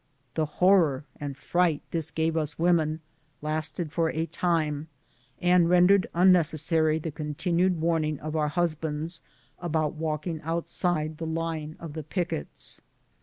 The horror and fright this gave us women lasted for 156 BOOTS AND SADDLES. a time, and rendered unnecessary the continued warn ings of our husbands about walking outside the line of the pickets.